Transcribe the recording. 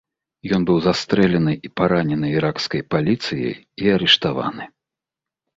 Ён быў застрэлены і паранены іракскай паліцыяй і арыштаваны.